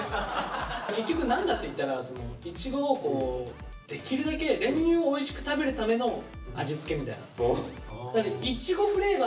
結局何だっていったらいちごをできるだけ練乳をおいしく食べるための味付けみたいな。